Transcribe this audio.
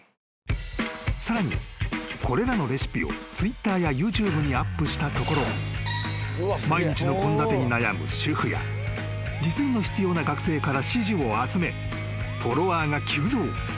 ［さらにこれらのレシピをＴｗｉｔｔｅｒやＹｏｕＴｕｂｅにアップしたところ毎日の献立に悩む主婦や自炊が必要な学生から支持を集めフォロワーが急増］